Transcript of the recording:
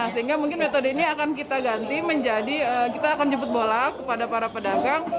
sehingga mungkin metode ini akan kita ganti menjadi kita akan jemput bola kepada para pedagang